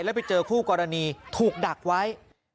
แล้วไปเจอคู่กรณีถูกดักไว้